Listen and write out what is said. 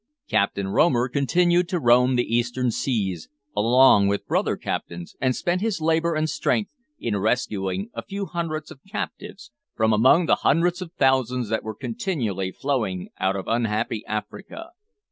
Captain Romer continued to roam the Eastern seas, along with brother captains, and spent his labour and strength in rescuing a few hundreds of captives from among the hundreds of thousands that were continually flowing out of unhappy Africa.